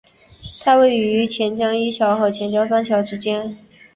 它位于钱江一桥与钱江三桥之间。